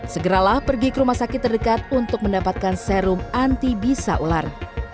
segeralah pergi ke rumah sakit terdekat untuk mendapatkan serum anti bisa ular